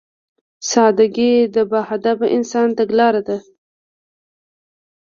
سادهګي د باهدفه انسان تګلاره ده.